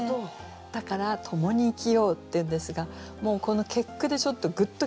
だから「共に生きよう」って言うんですがもうこの結句でちょっとグッと来ちゃって私。